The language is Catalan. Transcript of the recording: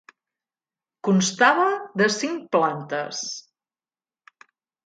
Constava de cinc plantes.